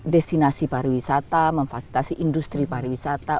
destinasi pariwisata memfasilitasi industri pariwisata